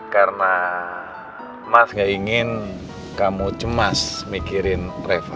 karena mas gak ingin kamu cemas mikirin reva